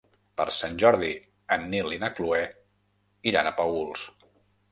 Per Sant Jordi en Nil i na Cloè iran a Paüls.